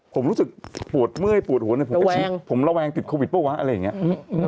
ผมรู้สึกปวดเมื่อยปวดหัวผมระวังติดโควิดเปล่าหรืออะไรอย่างนี้